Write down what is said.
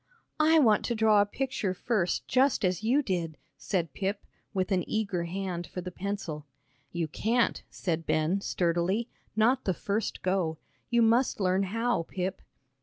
"I want to draw a picture first, just as you did," said Pip, with an eager hand for the pencil. "You can't," said Ben, sturdily, "not the first go. You must learn how, Pip."